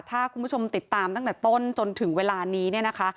ถ้าคุณผู้ชมติดตามตั้งแต่ต้นจนถึงเวลานี้เนี่ยนะคะ